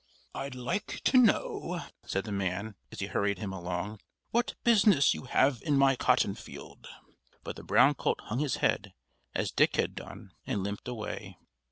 "I'd like to know," said the man, as he hurried him along, "what business you have in my cotton field!" But the brown colt hung his head, as Dick had done, and limped away.